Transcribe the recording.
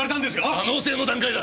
可能性の段階だ。